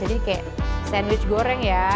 jadi kayak sandwich goreng ya